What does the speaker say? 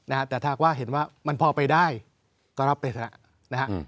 นะฮะแต่ถ้าหากว่าเห็นว่ามันพอไปได้ก็รับไปสักหน้านะฮะ